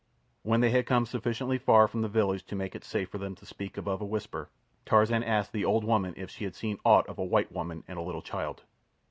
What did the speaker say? When they had come sufficiently far from the village to make it safe for them to speak above a whisper, Tarzan asked the old woman if she had seen aught of a white woman and a little child.